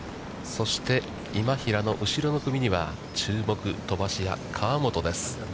そして、今平の後ろの組には注目、飛ばし屋河本です。